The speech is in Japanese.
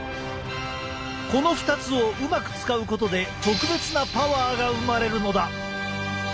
この２つをうまく使うことで特別なパワーが生まれるのだ！